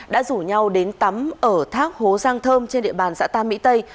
đã rủ nhau đến tắm ở thác hố giang thơm trên địa bàn xã tam mỹ tây